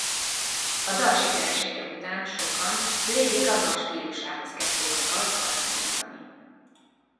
A dal sikeressége után sokan Lady Gaga stílusához kezdték a dalt hasonlítani.